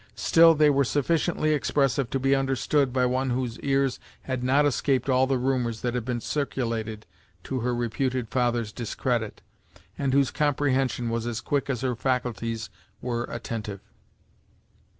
Still they were sufficiently expressive to be understood by one whose ears had not escaped all the rumours that had been circulated to her reputed father's discredit, and whose comprehension was as quick as her faculties were attentive.